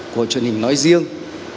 của truyền hình nói riêng